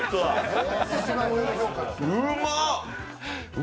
うまっ！